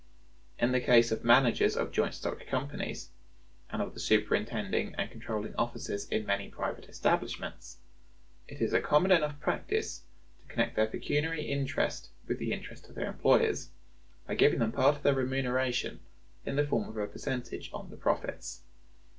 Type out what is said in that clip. In the case of the managers of joint stock companies, and of the superintending and controlling officers in many private establishments, it is a common enough practice to connect their pecuniary interest with the interest of their employers, by giving them part of their remuneration in the form of a percentage on the profits.